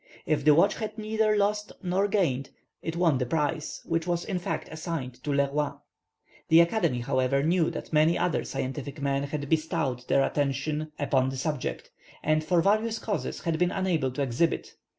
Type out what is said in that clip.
If the watch had neither lost or gained, it won the prize, which was in fact assigned to Le Roy. The Academy, however, knew that many other scientific men had bestowed their attention upon the subject, and for various causes had been unable to exhibit.